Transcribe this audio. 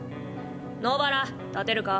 野薔薇立てるか？